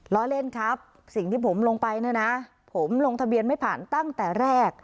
ล้อเล่นครับสิ่งที่ผมลงไปเนี่ยนะผมลงทะเบียนไม่ผ่านตั้งแต่แรก